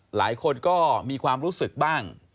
หลายคนก็มีความรู้สึกบ้าง